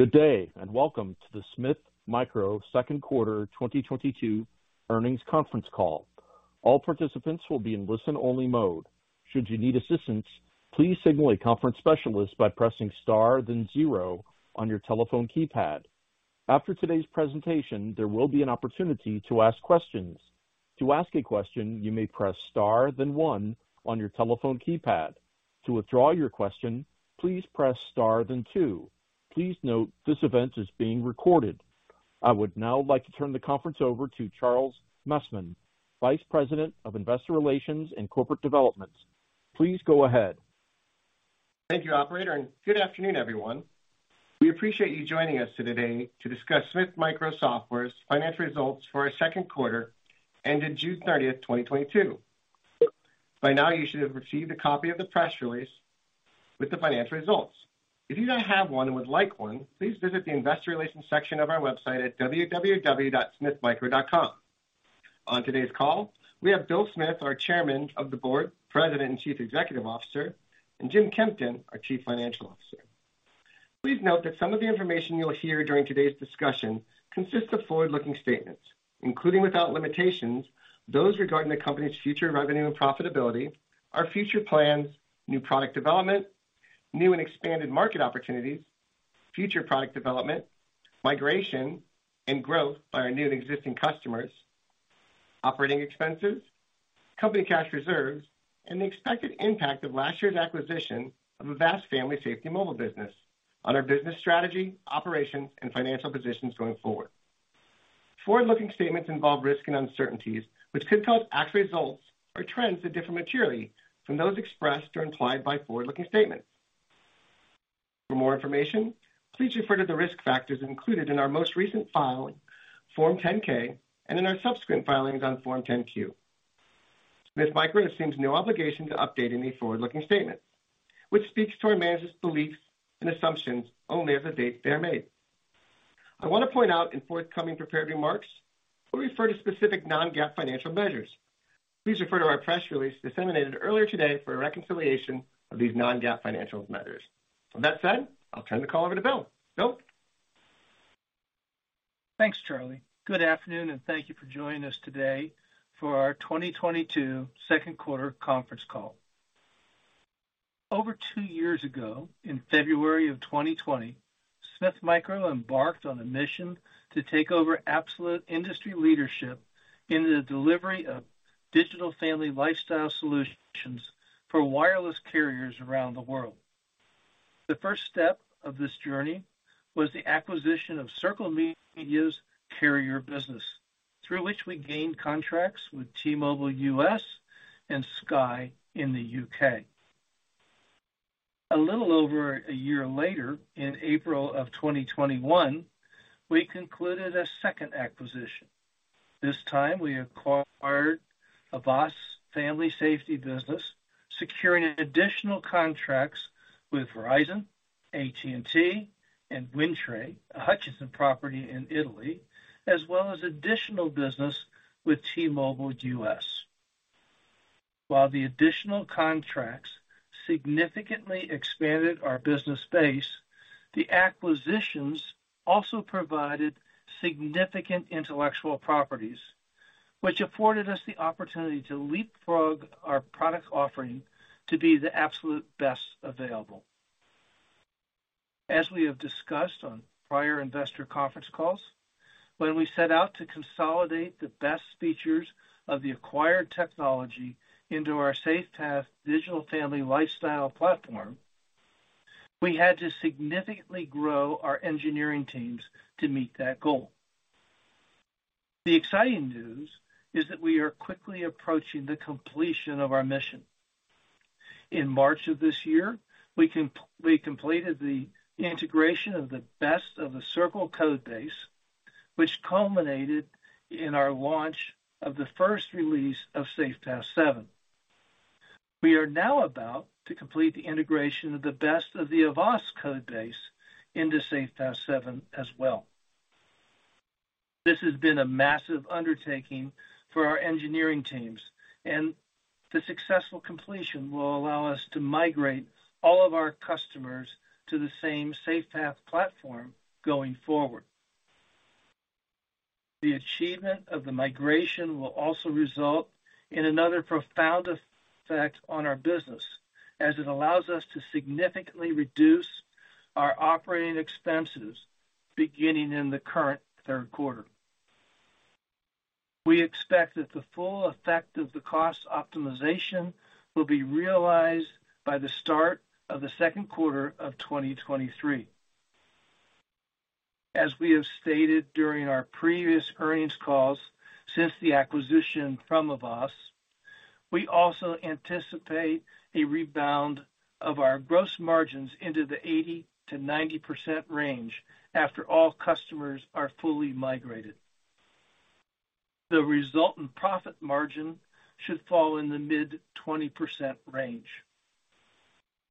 Good day, and welcome to the Smith Micro second quarter 2022 earnings conference call. All participants will be in listen-only mode. Should you need assistance, please signal a conference specialist by pressing Star, then zero on your telephone keypad. After today's presentation, there will be an opportunity to ask questions. To ask a question, you may press Star, then one on your telephone keypad. To withdraw your question, please press Star, then two. Please note this event is being recorded. I would now like to turn the conference over to Charles Messman, Vice President of Investor Relations and Corporate Development. Please go ahead. Thank you, operator, and good afternoon, everyone. We appreciate you joining us today to discuss Smith Micro Software's financial results for our second quarter ended June 30, 2022. By now, you should have received a copy of the press release with the financial results. If you don't have one and would like one, please visit the investor relations section of our website at www.smithmicro.com. On today's call, we have Bill Smith, our chairman of the board, president, and chief executive officer, and Jim Kempton, our chief financial officer. Please note that some of the information you'll hear during today's discussion consists of forward-looking statements, including without limitations, those regarding the company's future revenue and profitability, our future plans, new product development, new and expanded market opportunities, future product development, migration and growth by our new and existing customers, operating expenses, company cash reserves, and the expected impact of last year's acquisition of Avast Family Safety Mobile business on our business strategy, operations, and financial positions going forward. Forward-looking statements involve risks and uncertainties which could cause actual results or trends to differ materially from those expressed or implied by forward-looking statements. For more information, please refer to the risk factors included in our most recent filing, Form 10-K, and in our subsequent filings on Form 10-Q. Smith Micro assumes no obligation to update any forward-looking statements, which speaks to our management's beliefs and assumptions only as of date they are made. I wanna point out in forthcoming prepared remarks, we refer to specific non-GAAP financial measures. Please refer to our press release disseminated earlier today for a reconciliation of these non-GAAP financial measures. With that said, I'll turn the call over to Bill. Bill? Thanks, Charlie. Good afternoon, and thank you for joining us today for our 2022 second quarter conference call. Over two years ago, in February of 2020, Smith Micro embarked on a mission to take over absolute industry leadership in the delivery of digital family lifestyle solutions for wireless carriers around the world. The first step of this journey was the acquisition of Circle Media's carrier business, through which we gained contracts with T-Mobile US and Sky in the UK. A little over a year later, in April of 2021, we concluded a second acquisition. This time we acquired Avast family safety business, securing additional contracts with Verizon, AT&T, and Wind Tre, a Hutchison property in Italy, as well as additional business with T-Mobile US. While the additional contracts significantly expanded our business base, the acquisitions also provided significant intellectual properties, which afforded us the opportunity to leapfrog our product offering to be the absolute best available. As we have discussed on prior investor conference calls, when we set out to consolidate the best features of the acquired technology into our SafePath digital family lifestyle platform, we had to significantly grow our engineering teams to meet that goal. The exciting news is that we are quickly approaching the completion of our mission. In March of this year, we completed the integration of the best of the Circle code base, which culminated in our launch of the first release of SafePath 7. We are now about to complete the integration of the best of the Avast code base into SafePath 7 as well. This has been a massive undertaking for our engineering teams, and the successful completion will allow us to migrate all of our customers to the same SafePath platform going forward. The achievement of the migration will also result in another profound effect on our business as it allows us to significantly reduce our operating expenses beginning in the current third quarter. We expect that the full effect of the cost optimization will be realized by the start of the second quarter of 2023. As we have stated during our previous earnings calls since the acquisition from Avast, we also anticipate a rebound of our gross margins into the 80%-90% range after all customers are fully migrated. The resultant profit margin should fall in the mid-20% range.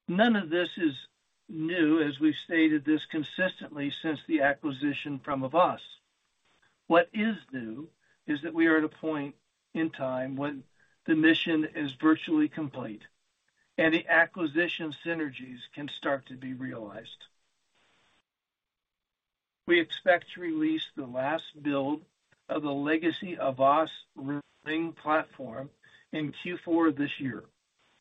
None of this is new, as we've stated this consistently since the acquisition from Avast. What is new is that we are at a point in time when the mission is virtually complete and the acquisition synergies can start to be realized. We expect to release the last build of the legacy Avast Ring platform in Q4 of this year,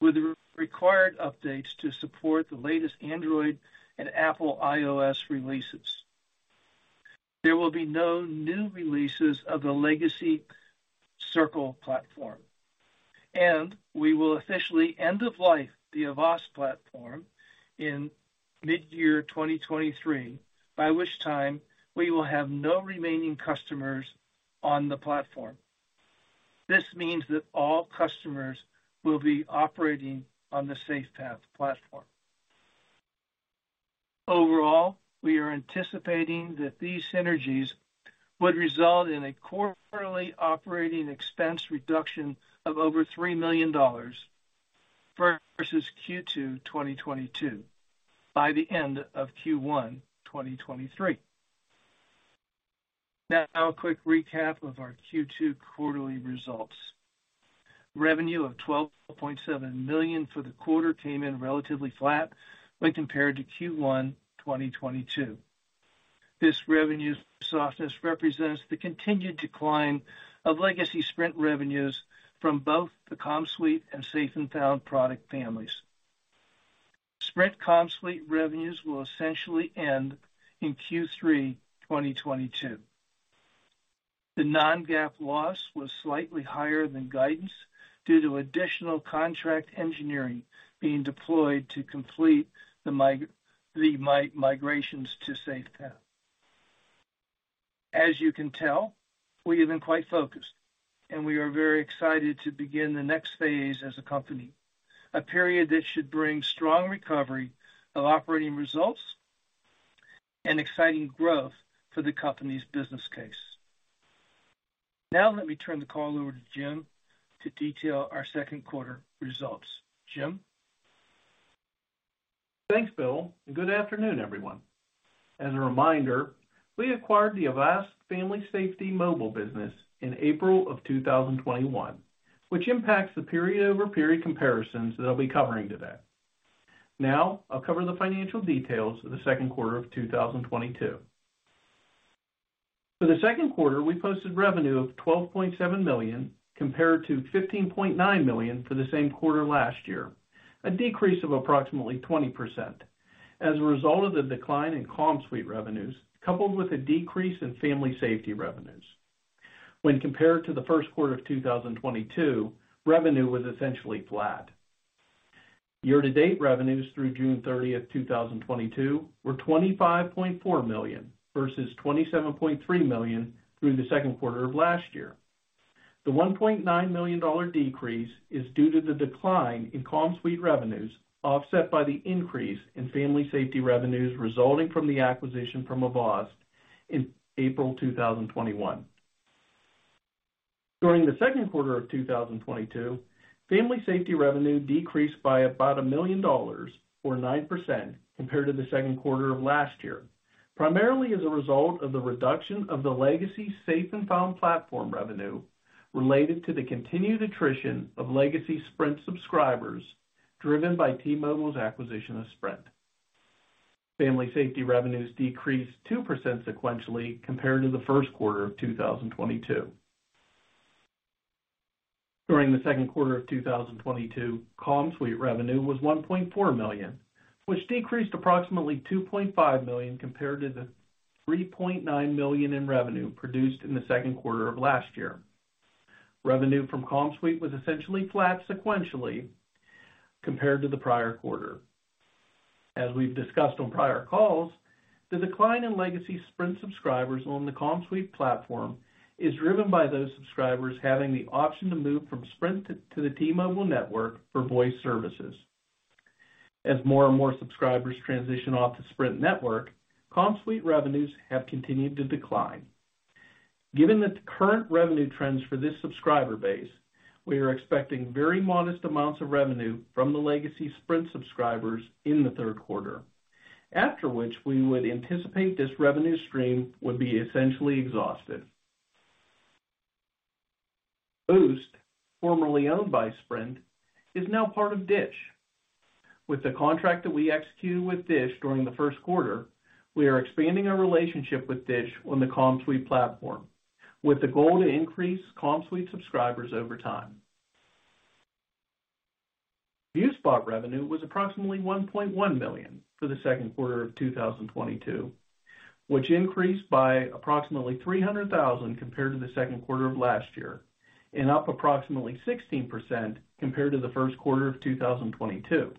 with the required updates to support the latest Android and Apple iOS releases. There will be no new releases of the legacy Circle platform, and we will officially end of life the Avast platform in mid-year 2023, by which time we will have no remaining customers on the platform. This means that all customers will be operating on the SafePath platform. Overall, we are anticipating that these synergies would result in a quarterly operating expense reduction of over $3 million versus Q2 2022 by the end of Q1 2023. Now a quick recap of our Q2 quarterly results. Revenue of $12.7 million for the quarter came in relatively flat when compared to Q1 2022. This revenue softness represents the continued decline of legacy Sprint revenues from both the CommSuite and Safe & Found product families. Sprint CommSuite revenues will essentially end in Q3 2022. The non-GAAP loss was slightly higher than guidance due to additional contract engineering being deployed to complete the migrations to SafePath. As you can tell, we have been quite focused and we are very excited to begin the next phase as a company, a period that should bring strong recovery of operating results and exciting growth for the company's business case. Now let me turn the call over to Jim to detail our second quarter results. Jim? Thanks, Bill, and good afternoon, everyone. As a reminder, we acquired the Avast Family Safety Mobile business in April of 2021, which impacts the period-over-period comparisons that I'll be covering today. Now I'll cover the financial details of the second quarter of 2022. For the second quarter, we posted revenue of $12.7 million compared to $15.9 million for the same quarter last year, a decrease of approximately 20% as a result of the decline in CommSuite revenues, coupled with a decrease in Family Safety revenues. When compared to the first quarter of 2022, revenue was essentially flat. Year-to-date revenues through June 30th, 2022 were $25.4 million versus $27.3 million through the second quarter of last year. The $1.9 million decrease is due to the decline in CommSuite revenues, offset by the increase in Family Safety revenues resulting from the acquisition from Avast in April 2021. During the second quarter of 2022, Family Safety revenue decreased by about $1 million or 9% compared to the second quarter of last year, primarily as a result of the reduction of the legacy Safe & Found platform revenue related to the continued attrition of legacy Sprint subscribers driven by T-Mobile's acquisition of Sprint. Family Safety revenues decreased 2% sequentially compared to the first quarter of 2022. During the second quarter of 2022, CommSuite revenue was $1.4 million, which decreased approximately $2.5 million compared to the $3.9 million in revenue produced in the second quarter of last year. Revenue from CommSuite was essentially flat sequentially compared to the prior quarter. As we've discussed on prior calls, the decline in legacy Sprint subscribers on the CommSuite platform is driven by those subscribers having the option to move from Sprint to the T-Mobile network for voice services. As more and more subscribers transition off the Sprint network, CommSuite revenues have continued to decline. Given the current revenue trends for this subscriber base, we are expecting very modest amounts of revenue from the legacy Sprint subscribers in the third quarter, after which we would anticipate this revenue stream would be essentially exhausted. Boost, formerly owned by Sprint, is now part of Dish. With the contract that we executed with Dish during the first quarter, we are expanding our relationship with Dish on the CommSuite platform with the goal to increase CommSuite subscribers over time. ViewSpot revenue was approximately $1.1 million for the second quarter of 2022, which increased by approximately $300,000 compared to the second quarter of last year and up approximately 16% compared to the first quarter of 2022.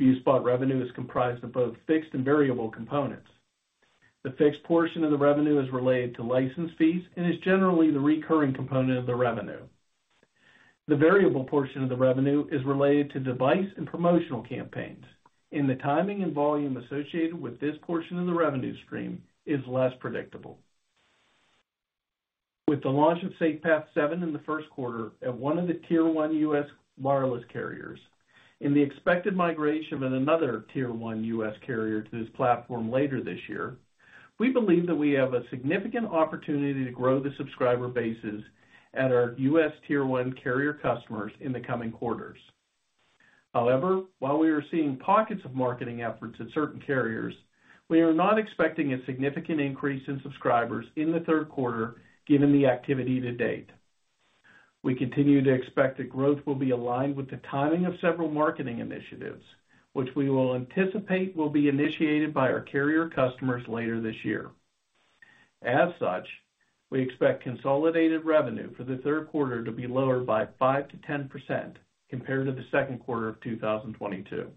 ViewSpot revenue is comprised of both fixed and variable components. The fixed portion of the revenue is related to license fees and is generally the recurring component of the revenue. The variable portion of the revenue is related to device and promotional campaigns, and the timing and volume associated with this portion of the revenue stream is less predictable. With the launch of SafePath 7 in the first quarter at one of the Tier 1 U.S. wireless carriers and the expected migration of another Tier 1 U.S. carrier to this platform later this year, we believe that we have a significant opportunity to grow the subscriber bases at our U.S. Tier 1 carrier customers in the coming quarters. However, while we are seeing pockets of marketing efforts at certain carriers, we are not expecting a significant increase in subscribers in the third quarter, given the activity to date. We continue to expect that growth will be aligned with the timing of several marketing initiatives, which we will anticipate will be initiated by our carrier customers later this year. As such, we expect consolidated revenue for the third quarter to be lower by 5%-10% compared to the second quarter of 2022.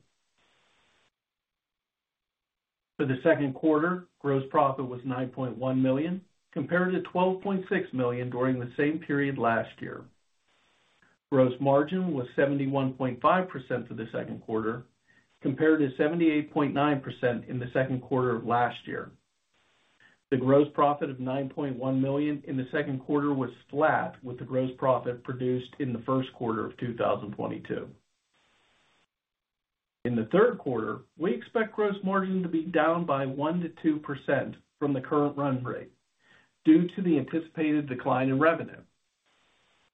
For the second quarter, gross profit was $9.1 million, compared to $12.6 million during the same period last year. Gross margin was 71.5% for the second quarter, compared to 78.9% in the second quarter of last year. The gross profit of $9.1 million in the second quarter was flat, with the gross profit produced in the first quarter of 2022. In the third quarter, we expect gross margin to be down by 1%-2% from the current run rate due to the anticipated decline in revenue.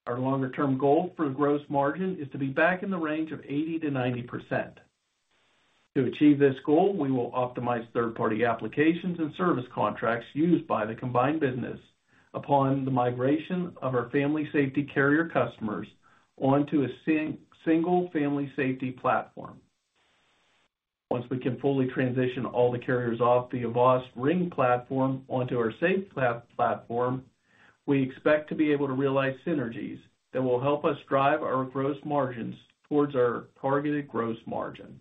Our longer-term goal for the gross margin is to be back in the range of 80%-90%. To achieve this goal, we will optimize third-party applications and service contracts used by the combined business upon the migration of our family safety carrier customers onto a single family safety platform. Once we can fully transition all the carriers off the Avast Ring platform onto our SafePath platform, we expect to be able to realize synergies that will help us drive our gross margins towards our targeted gross margin.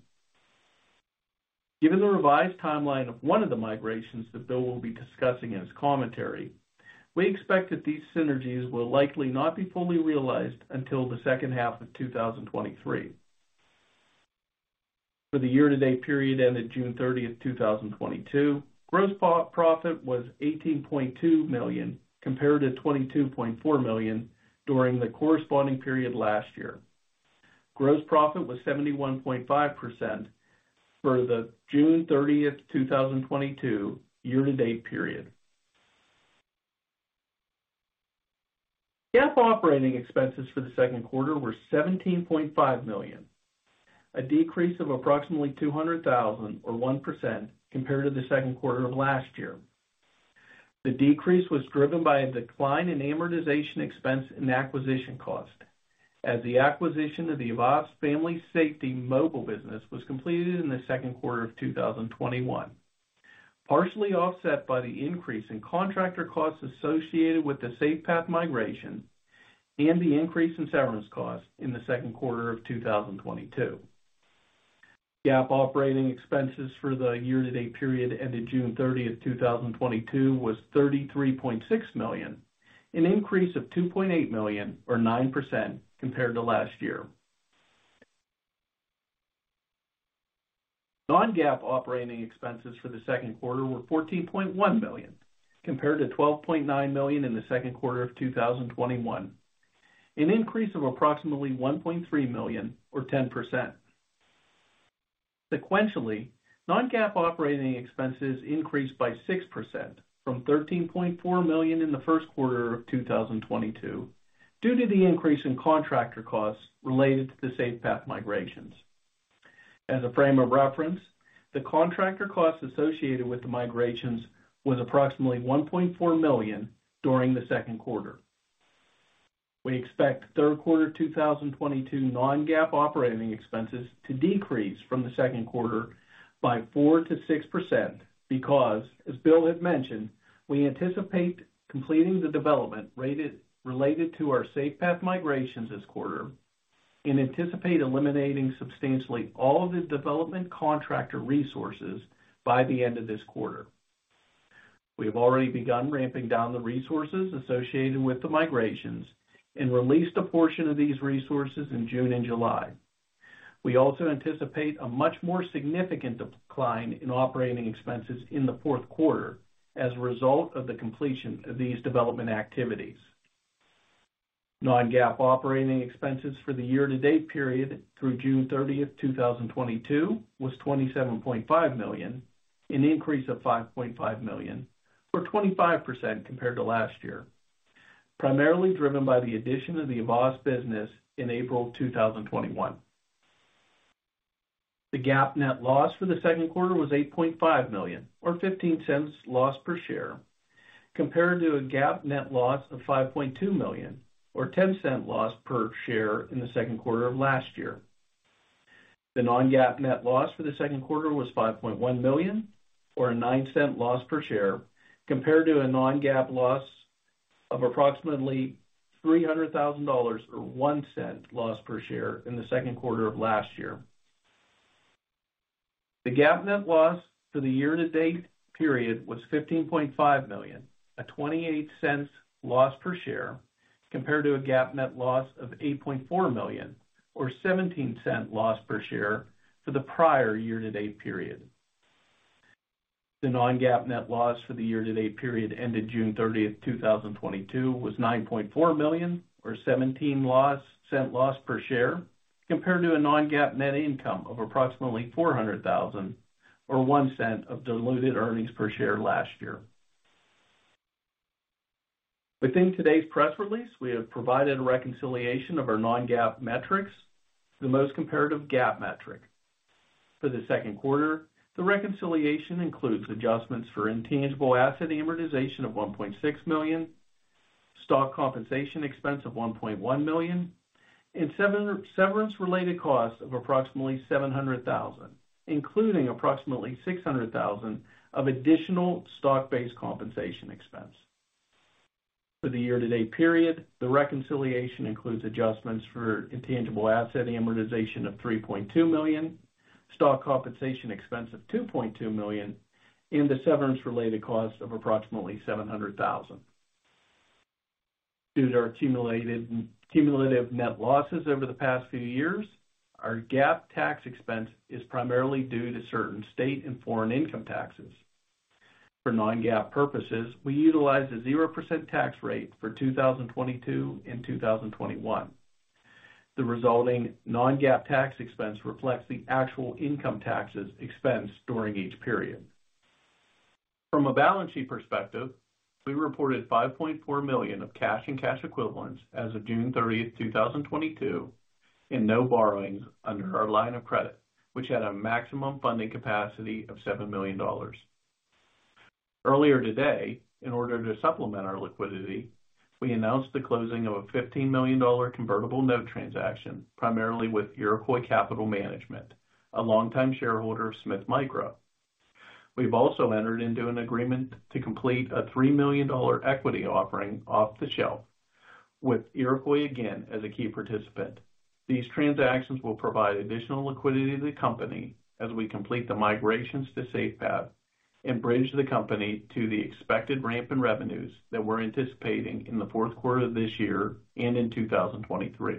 Given the revised timeline of one of the migrations that Bill will be discussing in his commentary, we expect that these synergies will likely not be fully realized until the second half of 2023. For the year-to-date period ended June 30, 2022, gross profit was $18.2 million, compared to $22.4 million during the corresponding period last year. Gross profit was 71.5% for the June 30, 2022 year-to-date period. GAAP operating expenses for the second quarter were $17.5 million, a decrease of approximately $200,000 or 1% compared to the second quarter of last year. The decrease was driven by a decline in amortization expense and acquisition cost as the acquisition of the Avast Family Safety Mobile business was completed in the second quarter of 2021, partially offset by the increase in contractor costs associated with the SafePath migration and the increase in severance costs in the second quarter of 2022. GAAP operating expenses for the year-to-date period ended June 30, 2022 was $33.6 million, an increase of $2.8 million or 9% compared to last year. Non-GAAP operating expenses for the second quarter were $14.1 million compared to $12.9 million in the second quarter of 2021, an increase of approximately $1.3 million or 10%. Sequentially, non-GAAP operating expenses increased by 6% from $13.4 million in the first quarter of 2022 due to the increase in contractor costs related to the SafePath migrations. As a frame of reference, the contractor costs associated with the migrations was approximately $1.4 million during the second quarter. We expect third quarter 2022 non-GAAP operating expenses to decrease from the second quarter by 4%-6% because, as Bill had mentioned, we anticipate completing the development-related to our SafePath migrations this quarter and anticipate eliminating substantially all of the development contractor resources by the end of this quarter. We have already begun ramping down the resources associated with the migrations and released a portion of these resources in June and July. We also anticipate a much more significant decline in operating expenses in the fourth quarter as a result of the completion of these development activities. Non-GAAP operating expenses for the year-to-date period through June 30, 2022 was $27.5 million, an increase of $5.5 million, or 25% compared to last year, primarily driven by the addition of the Avast business in April 2021. The GAAP net loss for the second quarter was $8.5 million, or $0.15 loss per share, compared to a GAAP net loss of $5.2 million or $0.10 loss per share in the second quarter of last year. The non-GAAP net loss for the second quarter was $5.1 million or a $0.09 loss per share, compared to a non-GAAP loss of approximately $300 thousand or $0.01 loss per share in the second quarter of last year. The GAAP net loss for the year-to-date period was $15.5 million, a $0.28 loss per share, compared to a GAAP net loss of $8.4 million or $0.17 loss per share for the prior year-to-date period. The non-GAAP net loss for the year-to-date period ended June 30, 2022 was $9.4 million, or $0.17 loss per share, compared to a non-GAAP net income of approximately $400 thousand or $0.01 of diluted earnings per share last year. Within today's press release, we have provided a reconciliation of our non-GAAP metrics, the most comparable GAAP metric. For the second quarter, the reconciliation includes adjustments for intangible asset amortization of $1.6 million, stock compensation expense of $1.1 million, and severance-related costs of approximately $700,000, including approximately $600,000 of additional stock-based compensation expense. For the year-to-date period, the reconciliation includes adjustments for intangible asset amortization of $3.2 million, stock compensation expense of $2.2 million, and the severance-related cost of approximately $700,000. Due to our cumulative net losses over the past few years, our GAAP tax expense is primarily due to certain state and foreign income taxes. For non-GAAP purposes, we utilize a 0% tax rate for 2022 and 2021. The resulting non-GAAP tax expense reflects the actual income taxes expense during each period. From a balance sheet perspective, we reported $5.4 million of cash and cash equivalents as of June 30, 2022, and no borrowings under our line of credit, which had a maximum funding capacity of $7 million. Earlier today, in order to supplement our liquidity, we announced the closing of a $15 million convertible note transaction, primarily with Iroquois Capital Management, a long-time shareholder of Smith Micro. We've also entered into an agreement to complete a $3 million equity offering off the shelf with Iroquois again as a key participant. These transactions will provide additional liquidity to the company as we complete the migrations to SafePath and bridge the company to the expected ramp in revenues that we're anticipating in the fourth quarter of this year and in 2023.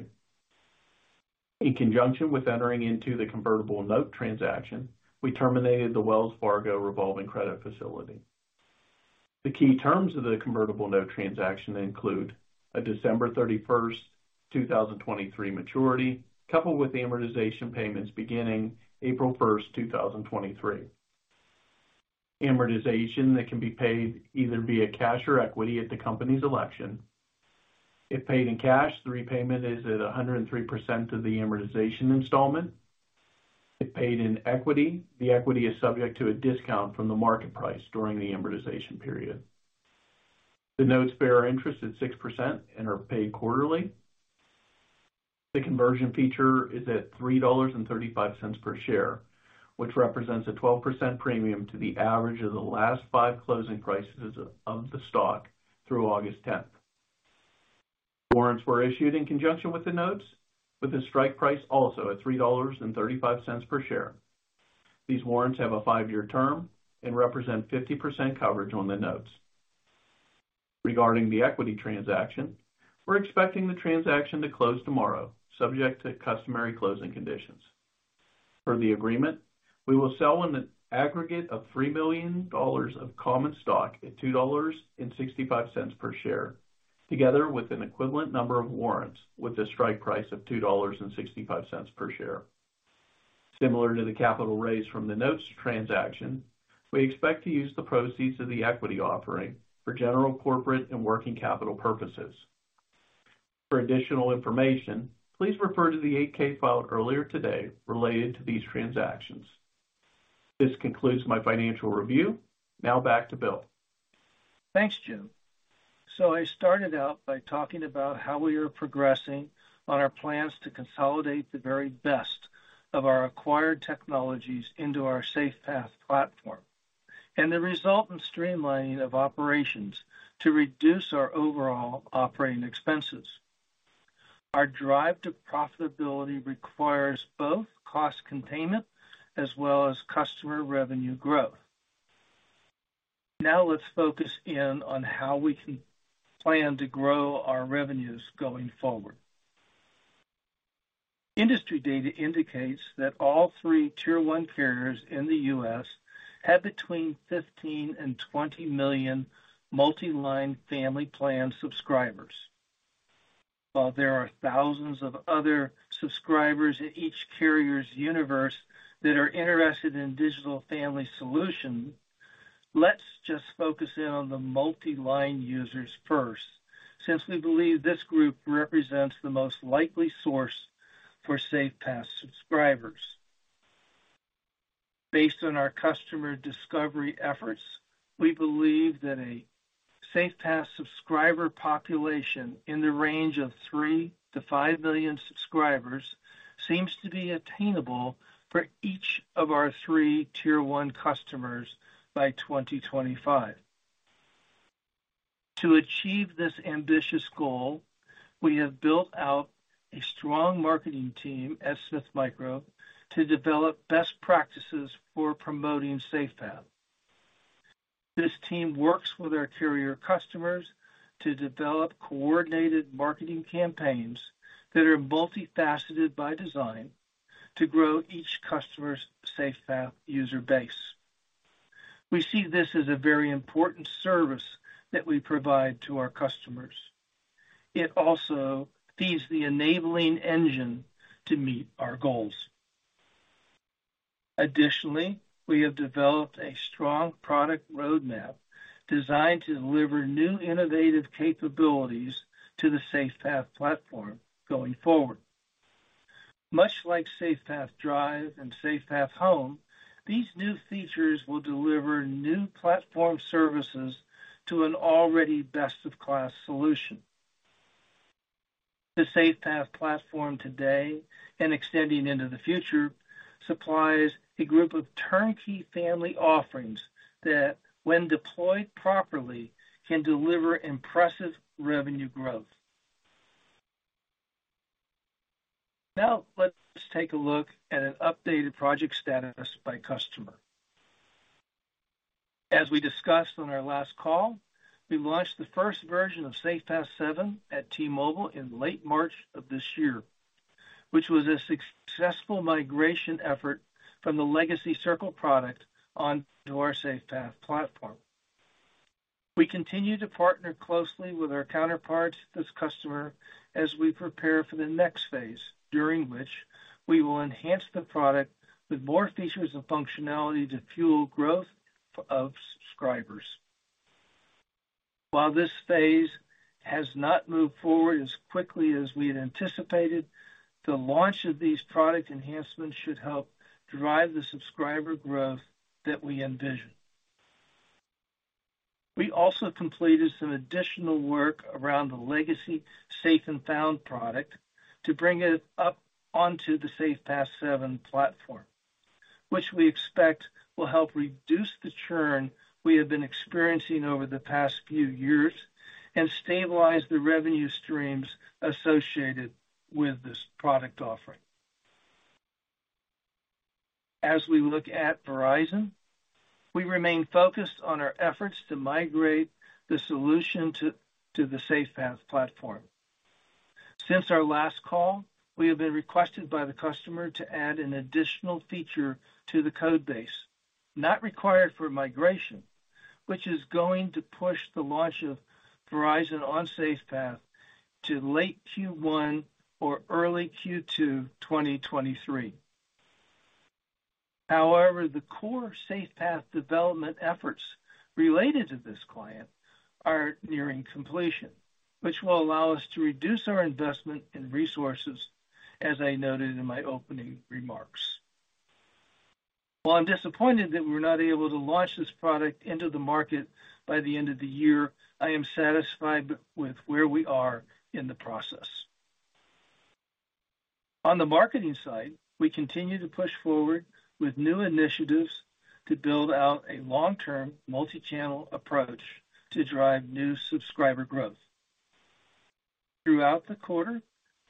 In conjunction with entering into the convertible note transaction, we terminated the Wells Fargo revolving credit facility. The key terms of the convertible note transaction include a December 31, 2023 maturity, coupled with amortization payments beginning April 1, 2023. Amortization that can be paid either via cash or equity at the company's election. If paid in cash, the repayment is at 103% of the amortization installment. If paid in equity, the equity is subject to a discount from the market price during the amortization period. The notes bear interest at 6% and are paid quarterly. The conversion feature is at $3.35 per share, which represents a 12% premium to the average of the last 5 closing prices of the stock through August 10. Warrants were issued in conjunction with the notes, with the strike price also at $3.35 per share. These warrants have a five-year term and represent 50% coverage on the notes. Regarding the equity transaction, we're expecting the transaction to close tomorrow, subject to customary closing conditions. Per the agreement, we will sell in the aggregate $3 million of common stock at $2.65 per share, together with an equivalent number of warrants with a strike price of $2.65 per share. Similar to the capital raise from the notes transaction, we expect to use the proceeds of the equity offering for general corporate and working capital purposes. For additional information, please refer to the 8-K filed earlier today related to these transactions. This concludes my financial review. Now back to Bill. Thanks, Jim. I started out by talking about how we are progressing on our plans to consolidate the very best of our acquired technologies into our SafePath platform, and the resultant streamlining of operations to reduce our overall operating expenses. Our drive to profitability requires both cost containment as well as customer revenue growth. Now let's focus in on how we can plan to grow our revenues going forward. Industry data indicates that all three Tier 1 carriers in the U.S. have between 15 and 20 million multi-line family plan subscribers. While there are thousands of other subscribers in each carrier's universe that are interested in digital family solution, let's just focus in on the multi-line users first, since we believe this group represents the most likely source for SafePath subscribers. Based on our customer discovery efforts, we believe that a SafePath subscriber population in the range of 3-5 million subscribers seems to be attainable for each of our three Tier 1 customers by 2025. To achieve this ambitious goal, we have built out a strong marketing team at Smith Micro to develop best practices for promoting SafePath. This team works with our carrier customers to develop coordinated marketing campaigns that are multifaceted by design to grow each customer's SafePath user base. We see this as a very important service that we provide to our customers. It also feeds the enabling engine to meet our goals. Additionally, we have developed a strong product roadmap designed to deliver new innovative capabilities to the SafePath platform going forward. Much like SafePath Drive and SafePath Home, these new features will deliver new platform services to an already best-in-class solution. The SafePath platform today, and extending into the future, supplies a group of turnkey family offerings that when deployed properly, can deliver impressive revenue growth. Now let's take a look at an updated project status by customer. As we discussed on our last call, we launched the first version of SafePath Seven at T-Mobile in late March of this year, which was a successful migration effort from the legacy Circle product onto our SafePath platform. We continue to partner closely with our counterparts, this customer, as we prepare for the next phase, during which we will enhance the product with more features and functionality to fuel growth of subscribers. While this phase has not moved forward as quickly as we had anticipated, the launch of these product enhancements should help drive the subscriber growth that we envision. We also completed some additional work around the legacy Safe & Found product to bring it up onto the SafePath 7 platform, which we expect will help reduce the churn we have been experiencing over the past few years and stabilize the revenue streams associated with this product offering. As we look at Verizon, we remain focused on our efforts to migrate the solution to the SafePath platform. Since our last call, we have been requested by the customer to add an additional feature to the code base, not required for migration, which is going to push the launch of Verizon on SafePath to late Q1 or early Q2, 2023. However, the core SafePath development efforts related to this client are nearing completion, which will allow us to reduce our investment in resources, as I noted in my opening remarks. While I'm disappointed that we're not able to launch this product into the market by the end of the year, I am satisfied with where we are in the process. On the marketing side, we continue to push forward with new initiatives to build out a long-term multi-channel approach to drive new subscriber growth. Throughout the quarter,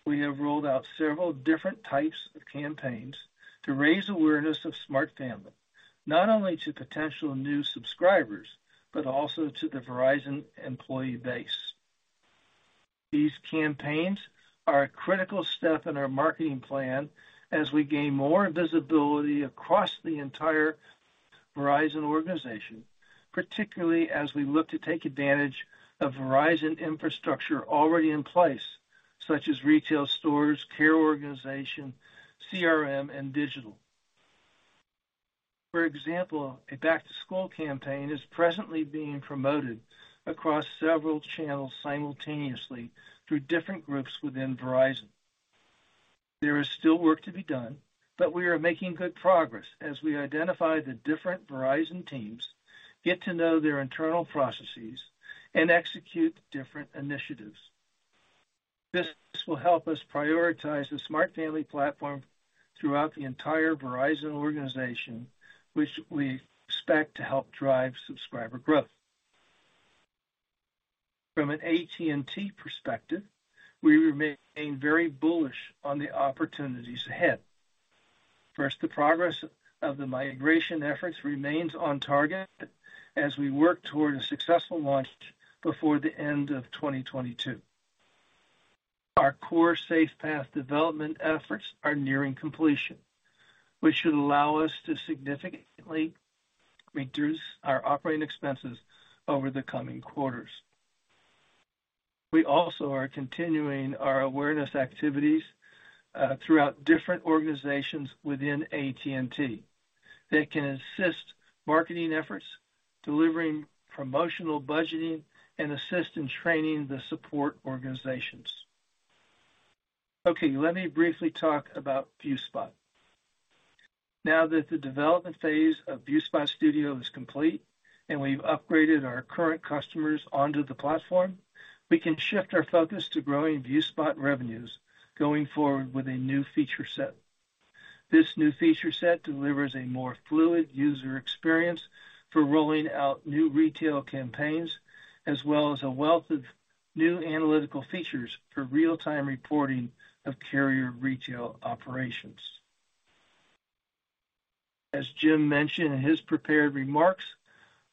we have rolled out several different types of campaigns to raise awareness of Smart Family, not only to potential new subscribers, but also to the Verizon employee base. These campaigns are a critical step in our marketing plan as we gain more visibility across the entire Verizon organization, particularly as we look to take advantage of Verizon infrastructure already in place, such as retail stores, care organization, CRM, and digital. For example, a back-to-school campaign is presently being promoted across several channels simultaneously through different groups within Verizon. There is still work to be done, but we are making good progress as we identify the different Verizon teams, get to know their internal processes, and execute different initiatives. This will help us prioritize the Smart Family platform throughout the entire Verizon organization, which we expect to help drive subscriber growth. From an AT&T perspective, we remain very bullish on the opportunities ahead. First, the progress of the migration efforts remains on target as we work toward a successful launch before the end of 2022. Our core SafePath development efforts are nearing completion, which should allow us to significantly reduce our operating expenses over the coming quarters. We also are continuing our awareness activities throughout different organizations within AT&T that can assist marketing efforts, delivering promotional budgeting, and assist in training the support organizations. Okay, let me briefly talk about ViewSpot. Now that the development phase of ViewSpot Studio is complete and we've upgraded our current customers onto the platform, we can shift our focus to growing ViewSpot revenues going forward with a new feature set. This new feature set delivers a more fluid user experience for rolling out new retail campaigns, as well as a wealth of new analytical features for real-time reporting of carrier retail operations. As Jim mentioned in his prepared remarks,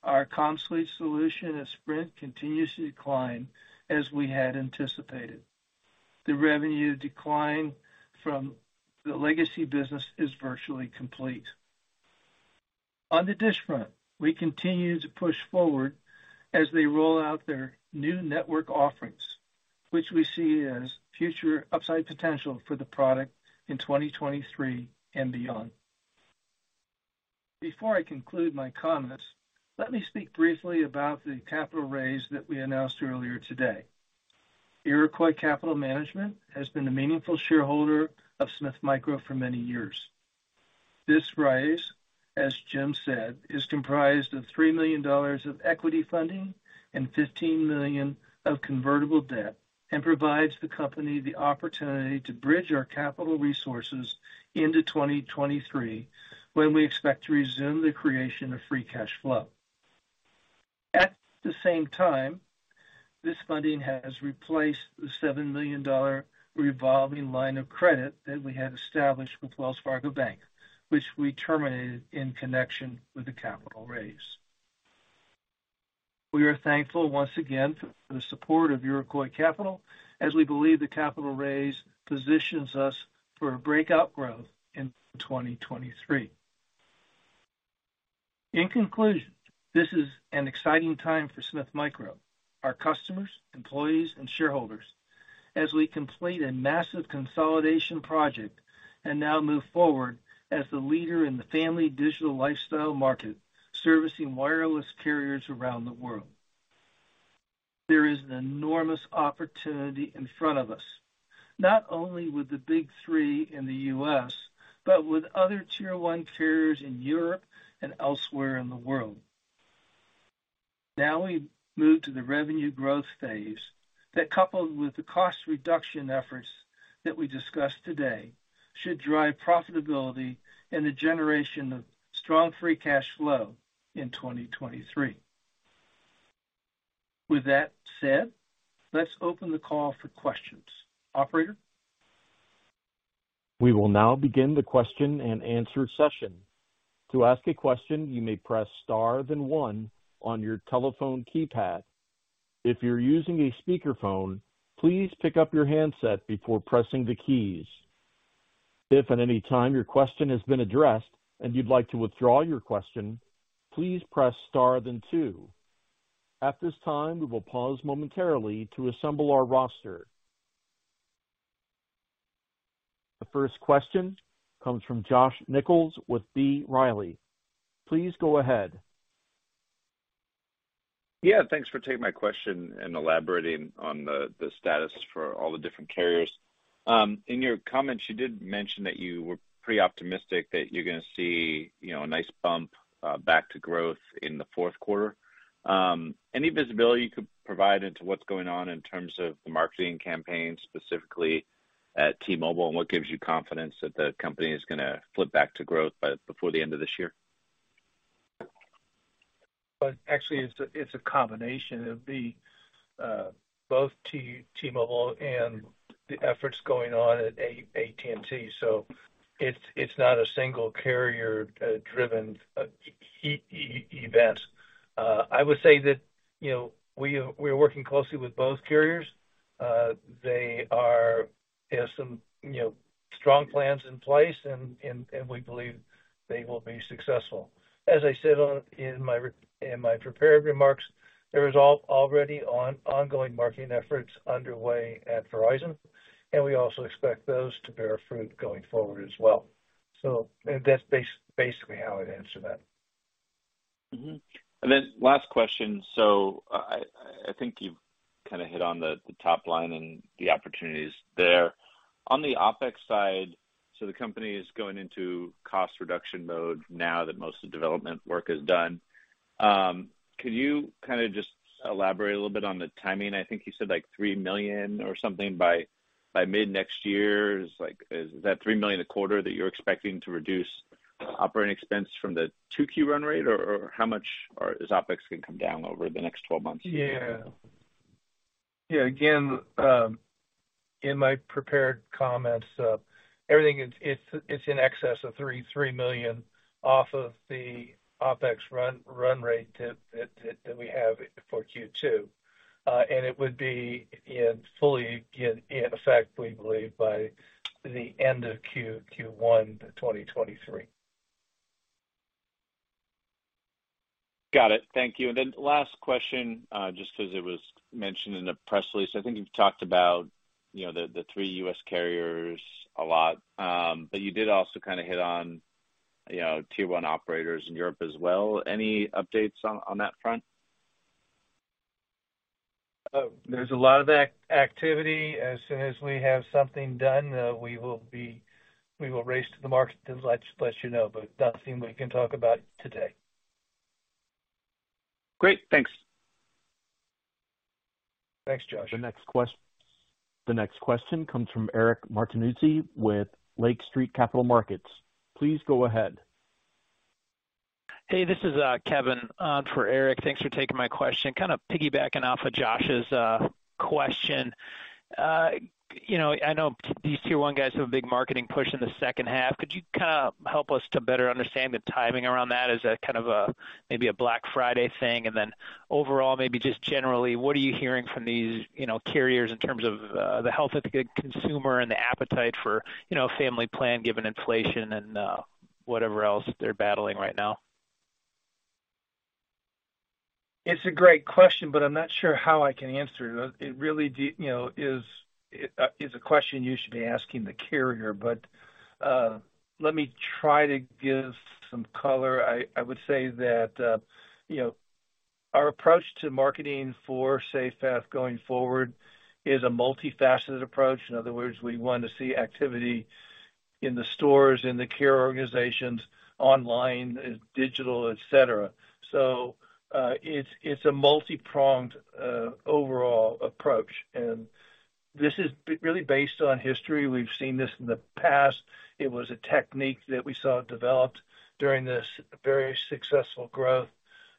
our CommSuite solution at Sprint continues to decline as we had anticipated. The revenue decline from the legacy business is virtually complete. On the DISH front, we continue to push forward as they roll out their new network offerings, which we see as future upside potential for the product in 2023 and beyond. Before I conclude my comments, let me speak briefly about the capital raise that we announced earlier today. Iroquois Capital Management has been a meaningful shareholder of Smith Micro for many years. This raise, as Jim said, is comprised of $3 million of equity funding and $15 million of convertible debt, and provides the company the opportunity to bridge our capital resources into 2023, when we expect to resume the creation of free cash flow. At the same time, this funding has replaced the $7 million revolving line of credit that we had established with Wells Fargo Bank, which we terminated in connection with the capital raise. We are thankful once again for the support of Iroquois Capital as we believe the capital raise positions us for a breakout growth in 2023. In conclusion, this is an exciting time for Smith Micro, our customers, employees and shareholders as we complete a massive consolidation project and now move forward as the leader in the family digital lifestyle market, servicing wireless carriers around the world. There is an enormous opportunity in front of us, not only with the big three in the U.S., but with other Tier 1 carriers in Europe and elsewhere in the world. Now we move to the revenue growth phase that, coupled with the cost reduction efforts that we discussed today, should drive profitability and the generation of strong free cash flow in 2023. With that said, let's open the call for questions. Operator? We will now begin the question-and-answer session. To ask a question, you may press star then one on your telephone keypad. If you're using a speakerphone, please pick up your handset before pressing the keys. If at any time your question has been addressed and you'd like to withdraw your question, please press star then two. At this time, we will pause momentarily to assemble our roster. The first question comes from Josh Nichols with B. Riley. Please go ahead. Yeah, thanks for taking my question and elaborating on the status for all the different carriers. In your comments, you did mention that you were pretty optimistic that you're gonna see, you know, a nice bump back to growth in the fourth quarter. Any visibility you could provide into what's going on in terms of the marketing campaign, specifically at T-Mobile, and what gives you confidence that the company is gonna flip back to growth by before the end of this year? Well, actually, it's a combination of both T-Mobile and the efforts going on at AT&T, so it's not a single carrier driven event. I would say that, you know, we're working closely with both carriers. They have some, you know, strong plans in place and we believe they will be successful. As I said in my prepared remarks, there is already ongoing marketing efforts underway at Verizon, and we also expect those to bear fruit going forward as well. That's basically how I'd answer that. Last question. I think you've kinda hit on the top line and the opportunities there. On the OpEx side, the company is going into cost reduction mode now that most of the development work is done. Could you kinda just elaborate a little bit on the timing? I think you said like $3 million or something by mid-next year. Like, is that $3 million a quarter that you're expecting to reduce operating expense from the 2Q run rate? Or how much is OpEx gonna come down over the next 12 months? Again, in my prepared comments, everything is, it's in excess of $3 million off of the OpEx run rate that we have for Q2. It would be fully in effect, we believe, by the end of Q1 2023. Got it. Thank you. Last question, just 'cause it was mentioned in the press release. I think you've talked about, you know, the three U.S. carriers a lot. You did also kinda hit on, you know, Tier 1 operators in Europe as well. Any updates on that front? There's a lot of activity. As soon as we have something done, we will race to the market to let you know. Nothing we can talk about today. Great. Thanks. Thanks, Josh. The next question comes from Eric Martinuzzi with Lake Street Capital Markets. Please go ahead. Hey, this is Kevin for Eric. Thanks for taking my question. Kinda piggybacking off of Josh's question. You know, I know these Tier 1 guys have a big marketing push in the second half. Could you kinda help us to better understand the timing around that? Is that kind of a maybe a Black Friday thing? Overall, maybe just generally, what are you hearing from these you know carriers in terms of the health of the consumer and the appetite for you know family plan given inflation and whatever else they're battling right now? It's a great question, but I'm not sure how I can answer it. It really does, you know, is a question you should be asking the carrier. Let me try to give some color. I would say that, you know, our approach to marketing for SafePath going forward is a multifaceted approach. In other words, we want to see activity in the stores, in the carrier organizations, online, digital, et cetera. It's a multi-pronged overall approach, and this is really based on history. We've seen this in the past. It was a technique that we saw developed during this very successful growth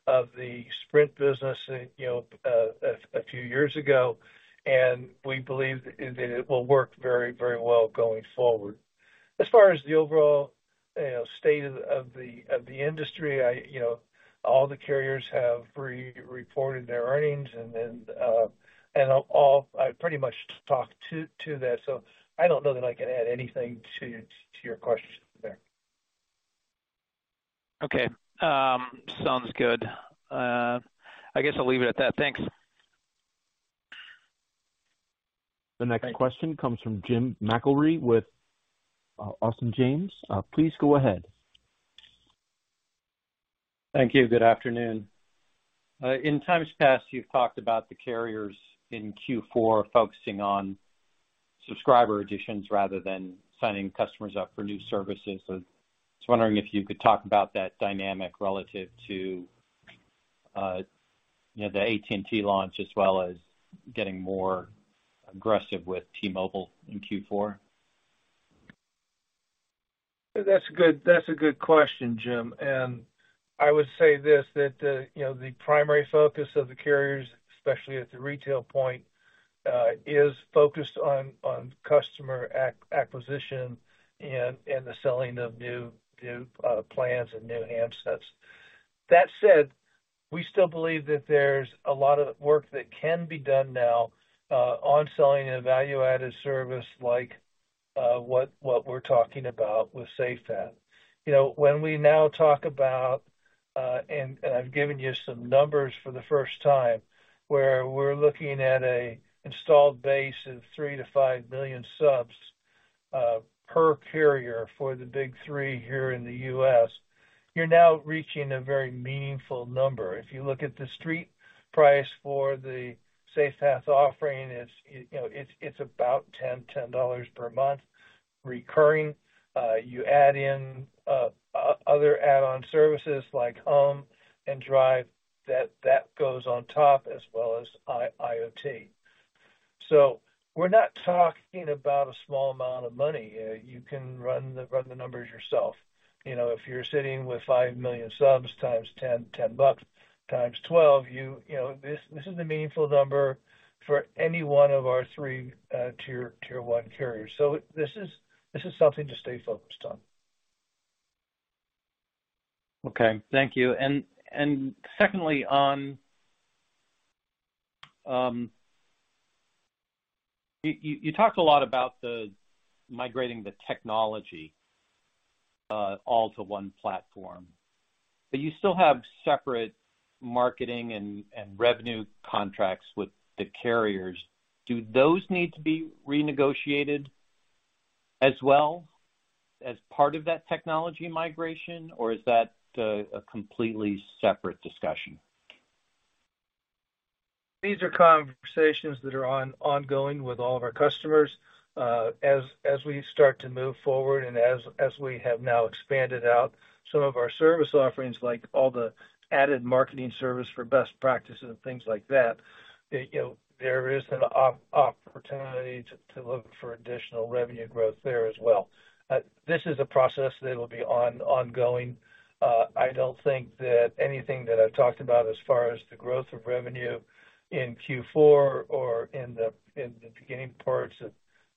of the Sprint business, you know, a few years ago, and we believe that it will work very, very well going forward. As far as the overall, you know, state of the industry, I, you know, all the carriers have reported their earnings and then I pretty much talked to this, so I don't know that I can add anything to your question there. Okay. Sounds good. I guess I'll leave it at that. Thanks. Thanks. The next question comes from Jim McIlree with Dawson James. Please go ahead. Thank you. Good afternoon. In times past, you've talked about the carriers in Q4 focusing on subscriber additions rather than signing customers up for new services. I was wondering if you could talk about that dynamic relative to, you know, the AT&T launch, as well as getting more aggressive with T-Mobile in Q4? That's a good question, Jim. I would say that you know, the primary focus of the carriers, especially at the retail point, is focused on customer acquisition and the selling of new plans and new handsets. That said, we still believe that there's a lot of work that can be done now on selling a value-added service like what we're talking about with SafePath. You know, when we now talk about and I've given you some numbers for the first time, where we're looking at an installed base of 3-5 million subs per carrier for the big three here in the U.S., you're now reaching a very meaningful number. If you look at the street price for the SafePath offering, you know, it's about $10 per month recurring. You add in other add-on services like home and drive, that goes on top as well as IoT. We're not talking about a small amount of money. You can run the numbers yourself. You know, if you're sitting with 5 million subs times $10 times 12, you know, this is a meaningful number for any one of our three Tier 1 carriers. This is something to stay focused on. Okay. Thank you. Secondly, on... You talked a lot about migrating the technology all to one platform, but you still have separate marketing and revenue contracts with the carriers. Do those need to be renegotiated as well as part of that technology migration, or is that a completely separate discussion? These are conversations that are ongoing with all of our customers. As we start to move forward and as we have now expanded out some of our service offerings, like all the added marketing service for best practices and things like that, you know, there is an opportunity to look for additional revenue growth there as well. This is a process that will be ongoing. I don't think that anything that I've talked about as far as the growth of revenue in Q4 or in the beginning parts of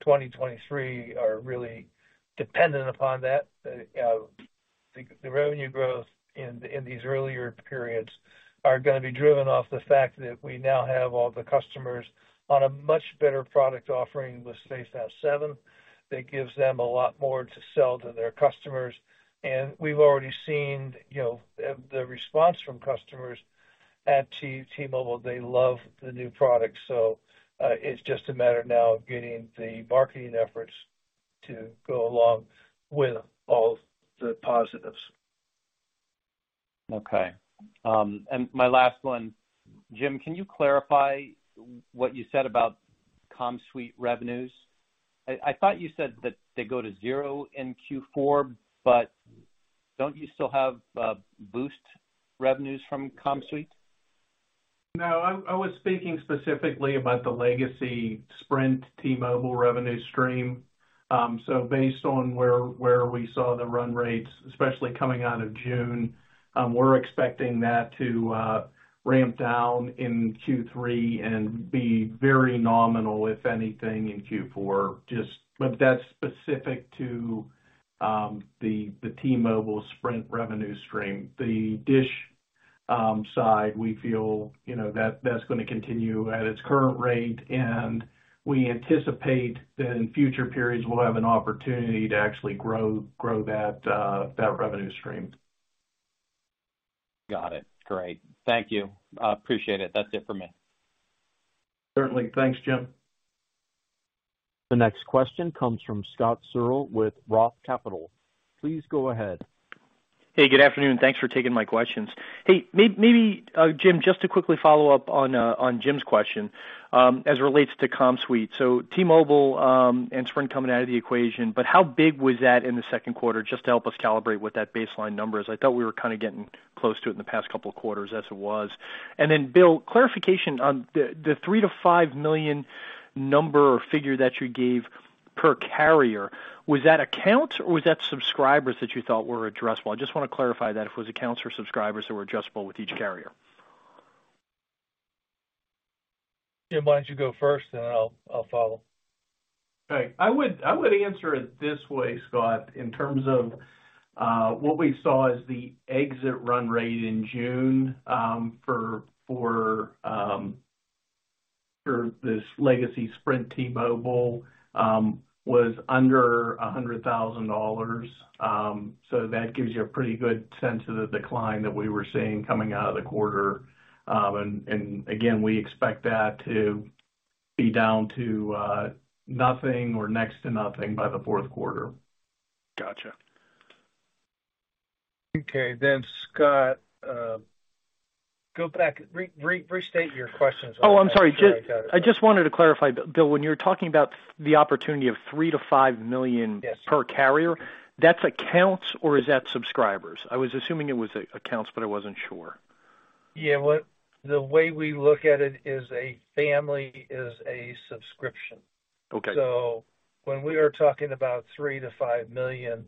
2023 are really dependent upon that. The revenue growth in these earlier periods are gonna be driven off the fact that we now have all the customers on a much better product offering with SafePath 7. That gives them a lot more to sell to their customers. We've already seen, you know, the response from customers at T-Mobile. They love the new product. It's just a matter now of getting the marketing efforts to go along with all the positives. Okay. My last one. Jim, can you clarify what you said about CommSuite revenues? I thought you said that they go to zero in Q4, but don't you still have Boost revenues from CommSuite? No, I was speaking specifically about the legacy Sprint T-Mobile revenue stream. So based on where we saw the run rates, especially coming out of June, we're expecting that to ramp down in Q3 and be very nominal, if anything, in Q4. That's specific to the T-Mobile Sprint revenue stream. The DISH side, we feel, you know, that that's gonna continue at its current rate, and we anticipate that in future periods we'll have an opportunity to actually grow that revenue stream. Got it. Great. Thank you. I appreciate it. That's it for me. Certainly. Thanks, Jim. The next question comes from Scott Searle with Roth Capital. Please go ahead. Hey, good afternoon, and thanks for taking my questions. Hey, Jim, just to quickly follow up on Jim's question, as it relates to CommSuite. T-Mobile and Sprint coming out of the equation, but how big was that in the second quarter, just to help us calibrate what that baseline number is? I thought we were kinda getting close to it in the past couple of quarters as it was. Bill, clarification on the 3-5 million number or figure that you gave per carrier, was that accounts or was that subscribers that you thought were addressable? I just wanna clarify that if it was accounts or subscribers that were addressable with each carrier. Jim, why don't you go first, and then I'll follow. All right. I would answer it this way, Scott. In terms of what we saw as the exit run rate in June for this legacy Sprint T-Mobile was under $100,000. So that gives you a pretty good sense of the decline that we were seeing coming out of the quarter. Again, we expect that to be down to nothing or next to nothing by the fourth quarter. Gotcha. Okay. Scott, go back. Restate your question so I make sure I got it right. Oh, I'm sorry. Just, I just wanted to clarify, Bill, when you're talking about the opportunity of 3-5 million- Yes. Per carrier, that's accounts or is that subscribers? I was assuming it was accounts, but I wasn't sure. Yeah. The way we look at it is a family is a subscription. Okay. When we are talking about 3-5 million,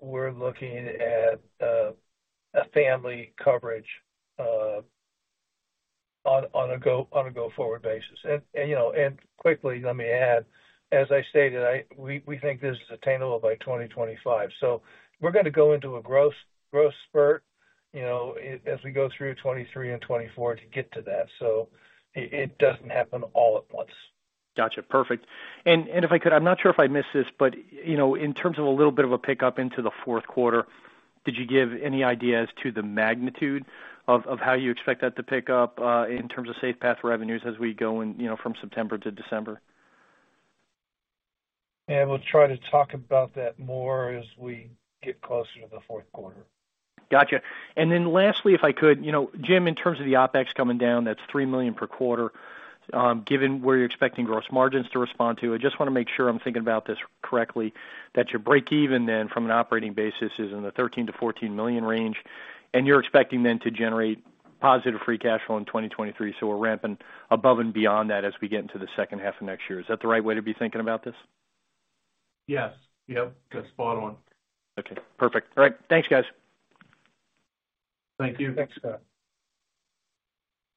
we're looking at a family coverage on a go-forward basis. You know, quickly, let me add, as I stated, we think this is attainable by 2025. We're gonna go into a growth spurt, you know, as we go through 2023 and 2024 to get to that. It doesn't happen all at once. Gotcha. Perfect. If I could, I'm not sure if I missed this, but you know, in terms of a little bit of a pickup into the fourth quarter, did you give any idea as to the magnitude of how you expect that to pick up in terms of SafePath revenues as we go in, you know, from September to December? Yeah. We'll try to talk about that more as we get closer to the fourth quarter. Gotcha. Lastly, if I could, you know, Jim, in terms of the OpEx coming down, that's $3 million per quarter. Given where you're expecting gross margins to respond to, I just wanna make sure I'm thinking about this correctly. That your break even then from an operating basis is in the $13 million-$14 million range, and you're expecting then to generate positive free cash flow in 2023, so we're ramping above and beyond that as we get into the second half of next year. Is that the right way to be thinking about this? Yes. Yep, that's spot on. Okay, perfect. All right. Thanks, guys. Thank you. Thanks, Scott.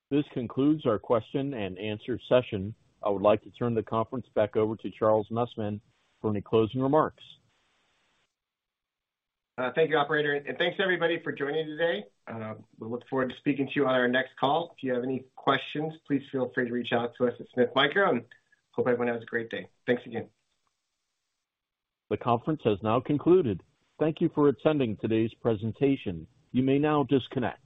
This concludes our question and answer session. I would like to turn the conference back over to Charles Messman for any closing remarks. Thank you, operator, and thanks, everybody, for joining today. We look forward to speaking to you on our next call. If you have any questions, please feel free to reach out to us at Smith Micro, and hope everyone has a great day. Thanks again. The conference has now concluded. Thank you for attending today's presentation. You may now disconnect.